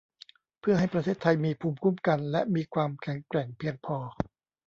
เพื่อให้ประเทศไทยมีภูมิคุ้มกันและมีความแข็งแกร่งเพียงพอ